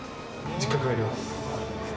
実家帰ります。